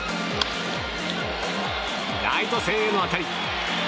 ライト線への当たり。